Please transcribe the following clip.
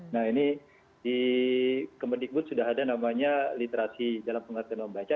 nah ini di kemendikbud sudah ada namanya literasi dalam pengertian membaca